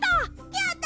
やった！